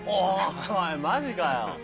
おいマジかよ。